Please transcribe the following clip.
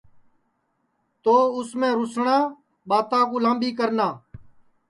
تو اُس میں روسٹؔا ٻاتا کُو لامٻی کرنا